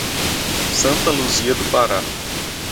Santa Luzia do Pará